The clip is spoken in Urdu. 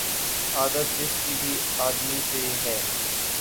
عادت اس کی بھی آدمی سی ہے